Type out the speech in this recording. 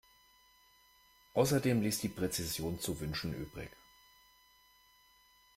Außerdem ließ die Präzision zu wünschen übrig.